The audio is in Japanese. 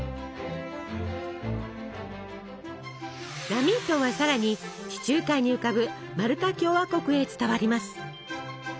ラミントンはさらに地中海に浮かぶマルタ共和国へ伝わります。